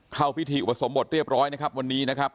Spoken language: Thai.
เข้าพิธีอุปสมบทเรียบร้อยนะครับวันนี้นะครับ